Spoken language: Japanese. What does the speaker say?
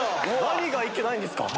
何がいけないんですか